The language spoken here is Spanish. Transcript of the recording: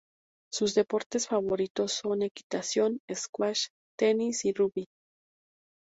Sus deportes favoritos son equitación, squash, tenis y rugby.